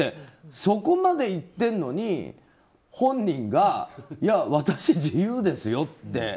そこまで言ってるのに、本人がいや、私自由ですよって。